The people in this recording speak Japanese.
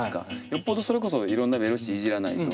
よっぽどそれこそいろんなベロシティいじらないと。